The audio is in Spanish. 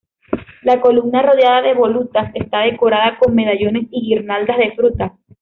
La columna, rodeada de volutas, está decorada con medallones y guirnaldas de frutas.